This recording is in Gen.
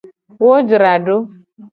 Wo jra do.